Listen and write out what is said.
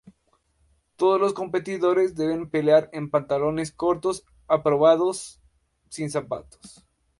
Todos los competidores deben pelear en pantalones cortos aprobados, sin zapatos.